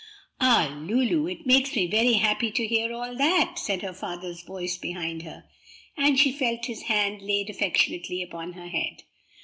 "Ah, Lulu, it makes me very happy to hear all that!" said her father's voice behind her, and she felt his hand laid affectionately upon her head.